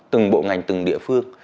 từng bộ ngành từng địa phương